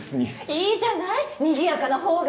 いいじゃないにぎやかなほうが。